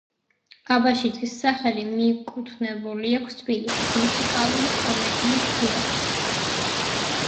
აბაშიძის სახელი მიკუთვნებული აქვს თბილისის მუსიკალური კომედიის თეატრს.